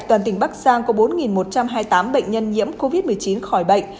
toàn tỉnh bắc giang có bốn một trăm hai mươi tám bệnh nhân nhiễm covid một mươi chín khỏi bệnh